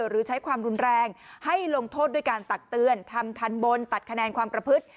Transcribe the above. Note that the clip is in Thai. หรือใช้ความรุนแรงให้ลงโทษด้วยการตักเตือนทำทันบนตัดคะแนนความประพฤติ